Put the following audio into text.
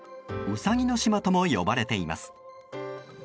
ウサギの島とも呼ばれています。